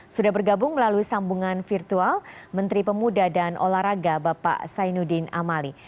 sudah bergabung melalui sambungan virtual menteri pemuda dan olahraga bapak zainuddin amali